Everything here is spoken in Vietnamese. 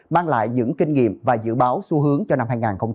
mang lại những kinh nghiệm và dự báo xu hướng cho năm hai nghìn hai mươi